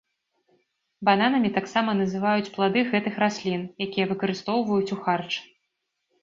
Бананамі таксама называюць плады гэтых раслін, якія выкарыстоўваюць у харч.